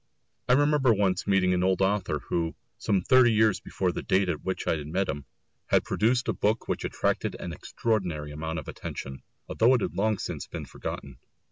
I remember once meeting an old author who, some thirty years before the date at which I met him, had produced a book which attracted an extraordinary amount of attention, though it has long since been forgotten.